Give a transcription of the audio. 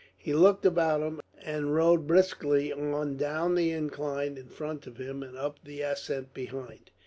He looked about him, and rode briskly on down the incline in front of him and up the ascent beyond.